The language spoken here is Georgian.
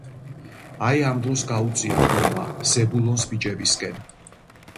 აი, ამ დროს გაუწია გულმა ზებულონს ბიჭებისკენ